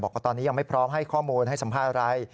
บอกว่าตอนนี้ยังไม่พร้อมให้ข้อมูลให้สัมภาษณ์อะไร